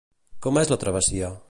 Com és la travessia?